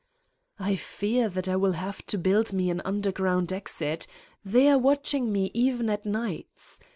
"I fear that I will have to build me an under ground exit : they are watching me even at nights.